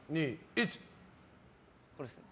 これっすね。